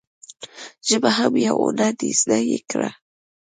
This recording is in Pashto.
ژبه هم یو هنر دي زده یی کړه.